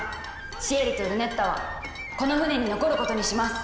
シエリとルネッタはこの船に残ることにします」。